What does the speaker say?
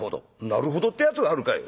「なるほどってやつがあるかい！」。